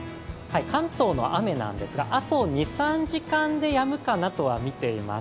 関東の雨なんですがあと２３時間でやむかなとはみています。